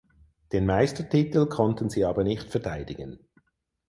Den Meistertitel konnten sie aber nicht verteidigen.